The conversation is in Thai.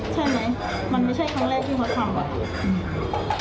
ใช่ไหมมันไม่ใช่ครั้งแรกที่เขาทำอะ